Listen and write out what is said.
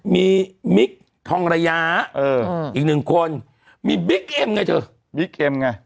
มีมิคทองระยะอีกหนึ่งคนมีบิ๊กเอ็มไงเธอบิ๊กเอ็มไง